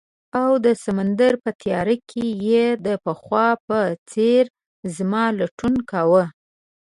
او د سمندر په تیاره کې یې د پخوا په څیر زما لټون کاؤه